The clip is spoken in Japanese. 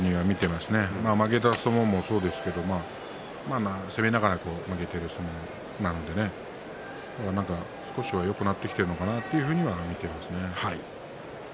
まあ負けた相撲もそうですが攻めながら負けている相撲なので少しはよくなってきているのかなと思っていますね。